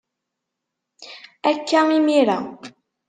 Akka imir-a.